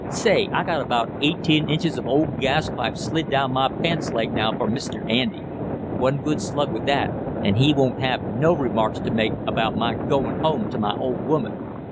Say, I got about eighteen inches of old gas pipe slid down my pants leg now for Mr. Andy; one good slug with that, and he won't have no remarks to make about my goin' home to my old woman!"